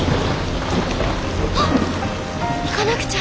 あっ行かなくちゃ。